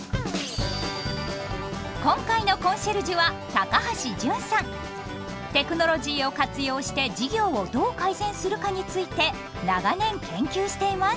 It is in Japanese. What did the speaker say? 今回のテクノロジーを活用して授業をどう改善するかについて長年研究しています。